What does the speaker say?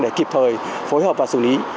để kịp thời phối hợp và xử lý